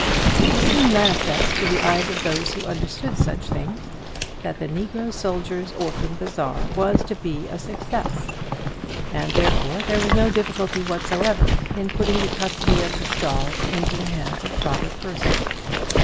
It was soon manifest to the eyes of those who understood such things, that the Negro Soldiers' Orphan Bazaar was to be a success, and therefore there was no difficulty whatsoever in putting the custody of the stalls into the hands of proper persons.